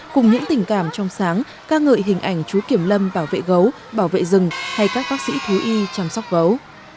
cùng những tình cảm trong sáng ca ngợi hình ảnh chú kiểm lâm bảo vệ gấu bảo vệ rừng hay các bác sĩ thú y chăm sóc gấu